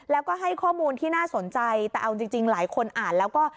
แล้วก็ให้ข้อมูลที่น่าสนใจแต่เอาจริงหลายคนอ่านแล้วก็